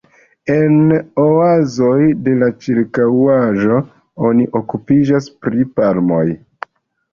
En oazoj de la ĉirkaŭaĵo oni okupiĝas pri palmoj.